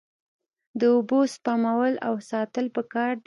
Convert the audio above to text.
د اوبو سپمول او ساتل پکار دي.